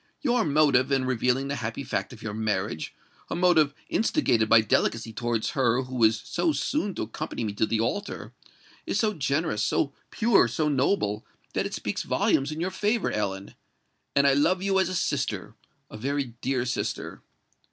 Your motive in revealing the happy fact of your marriage—a motive instigated by delicacy towards her who is so soon to accompany me to the altar—is so generous, so pure, so noble, that it speaks volumes in your favour, Ellen; and I love you as a sister—a very dear sister."